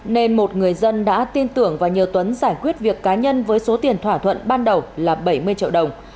nên một người dân đã tin tưởng và nhờ tuấn giải quyết việc cá nhân với số tiền thỏa thuận ban đầu là bảy mươi triệu đồng